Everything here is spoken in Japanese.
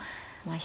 あ